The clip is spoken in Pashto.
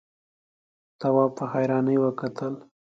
تواب په حيرانۍ وکتل.